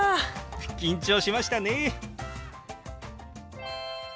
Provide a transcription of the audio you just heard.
緊張しましたね。